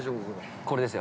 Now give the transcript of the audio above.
◆これですよ。